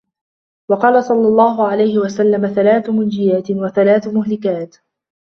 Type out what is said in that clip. وَقَالَ صَلَّى اللَّهُ عَلَيْهِ وَسَلَّمَ ثَلَاثٌ مُنْجِيَاتٌ ، وَثَلَاثٌ مُهْلِكَاتٌ